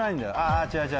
違う違う。